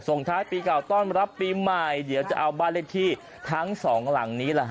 ท้ายปีเก่าต้อนรับปีใหม่เดี๋ยวจะเอาบ้านเลขที่ทั้งสองหลังนี้แหละฮ